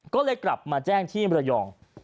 ก็เลยกลับมาแจ้งที่มรยอง